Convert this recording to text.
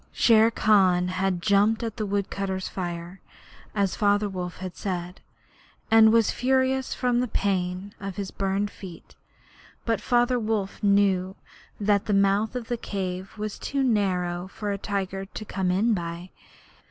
Shere Khan had jumped at a woodcutters' camp fire, as Father Wolf had said, and was furious from the pain of his burned feet. But Father Wolf knew that the mouth of the cave was too narrow for a tiger to come in by.